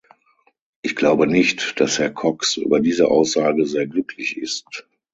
Ich glaube nicht, dass Herr Cox über diese Aussage sehr glücklich ist.